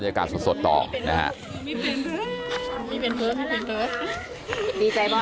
มาหาพ่อดิลูก